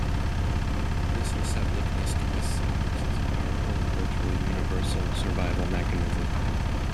This receptiveness to risk signals is a powerful and virtually universal survival mechanism.